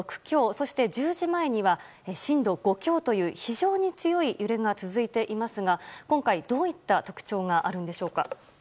そして１０時前には震度５強という非常に強い揺れが続いていますが今回、どういった特徴があるんでしょうか？